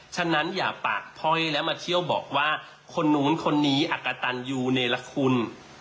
ฉะนั้นอย่าปากพ้อยและมาเที่ยวบอกว่าคนนู้นคนนี้อักกะตันยูเนรคุณ